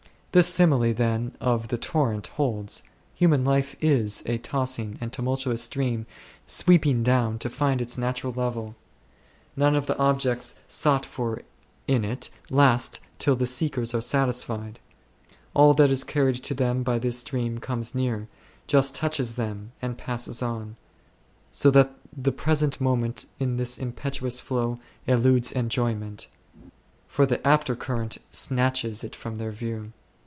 This simile, then,. of the torrent holds ; human life is a tossing and tumultuous stream sweeping down to find its natural level ; none of the objects sought for in it last till the seekers are satisfied ; all that is carried to them by this stream comes near, just touches them, and passes on ; so that the present moment in this impetuous flow eludes enjoyment, for the after current snatches ' it from their view.